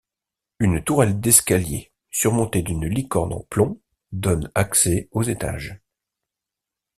Une tourelles d'escalier, surmontée d'une licorne en plomb, donne accès aux étages.